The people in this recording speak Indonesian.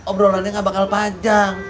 obrolannya gak bakal panjang